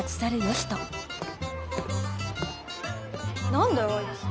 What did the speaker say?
なんだよあいつ。